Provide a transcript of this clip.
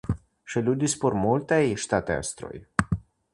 Ŝi ludis por multaj ŝtatestroj.